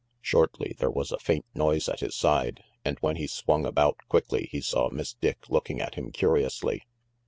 Shortly there was a faint noise at his side, and when he swung about quickly he saw Miss Dick looking at him curiously.